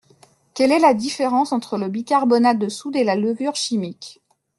Quelle est la différence entre le bicarbonate de soude et la levure chimique?